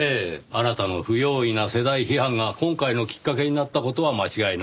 あなたの不用意な世代批判が今回のきっかけになった事は間違いないでしょう。